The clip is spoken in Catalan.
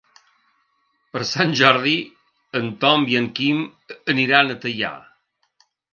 Per Sant Jordi en Tom i en Quim aniran a Teià.